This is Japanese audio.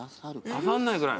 刺さんないぐらい。